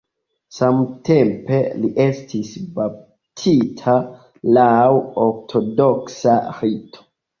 Samtempe li estis baptita laŭ ortodoksa rito.